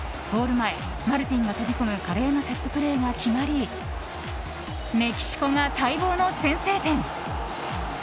前、マルティンが飛び込む華麗なセットプレーが決まりメキシコが待望の先制点！